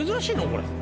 これ。